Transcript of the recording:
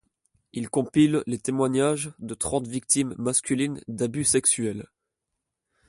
Il compile les témoignages de trente victimes masculines d'abus sexuel.